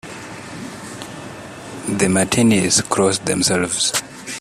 The Martinis cross themselves.